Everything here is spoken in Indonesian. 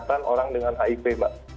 kesehatan orang dengan hiv mbak